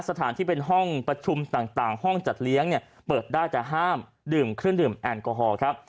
สถานที่เป็นห้องประชุมต่างห้องจัดเลี้ยงเนี่ยเปิดได้แต่ห้ามดื่มเครื่องดื่มแอลกอฮอล์ครับ